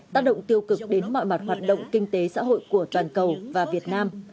tác động tiêu cực đến mọi mặt hoạt động kinh tế xã hội của toàn cầu và việt nam